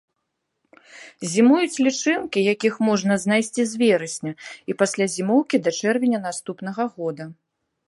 Зімуюць лічынкі, якіх можна знайсці з верасня і, пасля зімоўкі, да чэрвеня наступнага года.